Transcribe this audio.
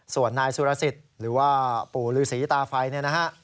ส่วนนายสุรสิทธิ์หรือว่าปู่ฤษีตาไฟเนี่ยนะฮะ